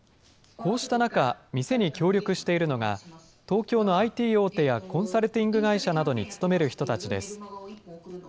こうした中、店に協力しているのが、東京のＩＴ大手やコンサルティング会社などに勤める人たちです。